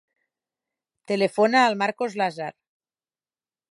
Telefona al Marcos Lazar.